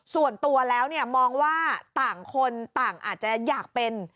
ส่วนตัวแล้วเนี่ยมองว่าต่างคนต่างอาจจะอยากเป็น